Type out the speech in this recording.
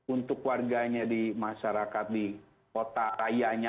untuk warganya di masyarakat di kota rayanya